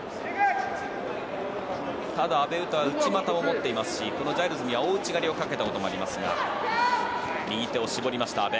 ただ阿部詩は内股を持っていますしこのジャイルズには大内刈りをかけたこともありますが右手を絞った阿部。